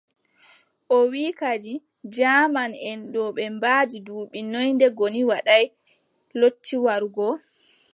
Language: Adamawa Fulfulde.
O wii kadi jaamanʼen ɗo ɓe mbaɗi duuɓi noy nde Goni Waɗaay lotti warugo ?